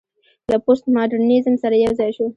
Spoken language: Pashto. له پوسټ ماډرنيزم سره يوځاى شو